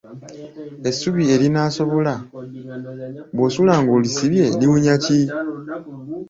Essubi erinaasobola bw'osula ng'olisibye liwunya ki?